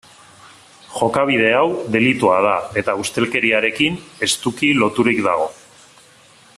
Jokabide hau delitua da eta ustelkeriarekin estuki loturik dago.